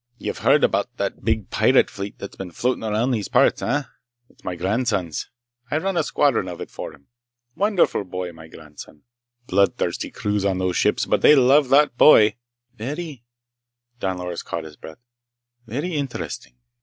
"You've heard about that big pirate fleet that's been floating around these parts? Eh? It's my grandson's. I run a squadron of it for him. Wonderful boy, my grandson! Bloodthirsty crews on those ships, but they love that boy!" "Very—" Don Loris caught his breath. "Very interesting."